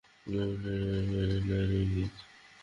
Lavender, আর ভ্যানিলা-এর ইঙ্গিত।